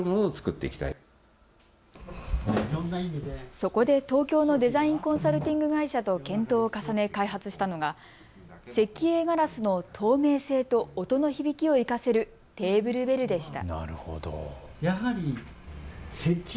そこで東京のデザインコンサルティング会社と検討を重ね開発したのが石英ガラスの透明性と音の響きを生かせるテーブルベルでした。